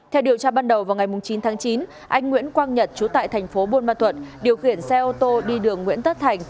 theo điều tra ban đầu vào ngày chín tháng chín anh nguyễn quang nhật chú tại thành phố buôn ma thuận điều khiển xe ô tô đi đường nguyễn tất thành